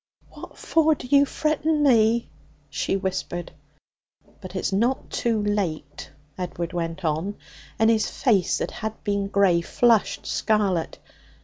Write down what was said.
'What for do you fritten me?' she whispered. 'But it's not too late,' Edward went on, and his face, that had been grey, flushed scarlet.